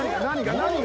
何が？